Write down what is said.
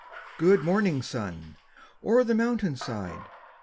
Good morning, sun, o'er the mountain side!